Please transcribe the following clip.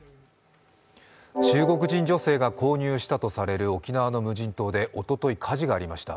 中国人女性が購入したとされる沖縄の無人島でおととい、火事がありました